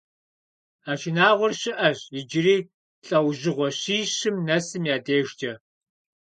А шынагъуэр щыӀэщ иджыри лӀэужьыгъуэ щищым нэсым я дежкӀэ.